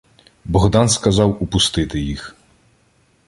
Богдан сказав упустити їх.